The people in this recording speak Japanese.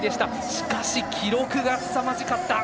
しかし、記録がすざましかった！